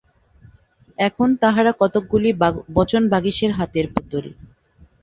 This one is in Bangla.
এখন তাঁহারা কতকগুলি বচনবাগীশের হাতের পুতুল।